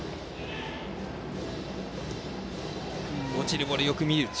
落ちるボール、よく見た。